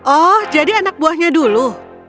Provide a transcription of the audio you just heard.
oh jadi anak buahnya dulu